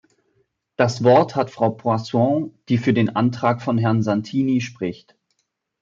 Das Wort hat Frau Poisson, die für den Antrag von Herrn Santini spricht.